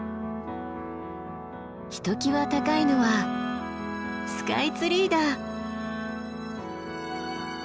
ひときわ高いのはスカイツリーだ！